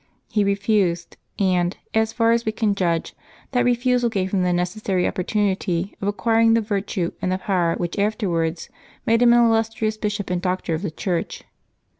He refused, and, as far as we can judge, that refusal gave him the necessary oppor tunity of acquiring the virtue and the power which after wards made him an illustrious Bishop and Doctor of the Church.